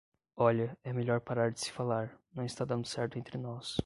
Olha, é melhor parar de se falar... não está dando certo entre nós